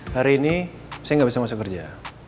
hari ini saya nggak bisa masuk kerja